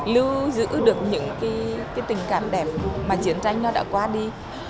lưu giữ được những tình cảm đẹp mà chiến tranh đã qua đi